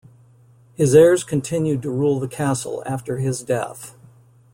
His heirs continued to rule the castle after his death.